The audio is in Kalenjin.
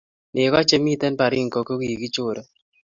Neko che miten baringo kokikichore